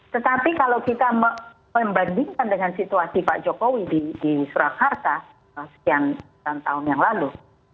tetapi kalau kita membandingkan dengan situasi pak jokowi di surakarta sekian tahun yang lalu